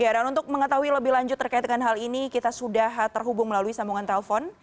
dan untuk mengetahui lebih lanjut terkait dengan hal ini kita sudah terhubung melalui sambungan telpon